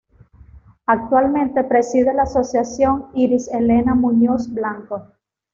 Actualmente preside la asociación Iris Elena Muñoz Blanco.